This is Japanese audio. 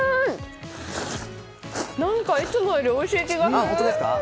いつもよりおいしい気がする！